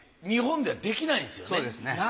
日本ではできないんですよね。